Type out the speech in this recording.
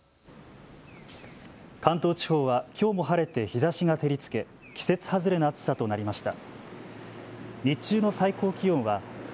関東地方はきょうも晴れて日ざしが照りつけ季節外れの暑さとなりました。